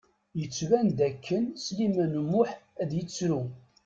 Yettban d akken Sliman U Muḥ ad yettru.